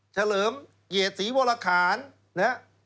เฉลิมเกียรติศรีวรคาน